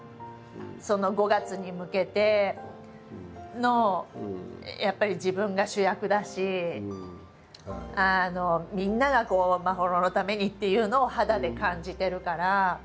その５月に向けてのやっぱり自分が主役だしみんなが眞秀のためにっていうのを肌で感じてるから。